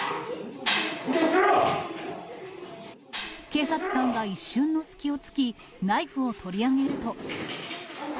警察官が一瞬の隙をつき、ナイフを取り上げると。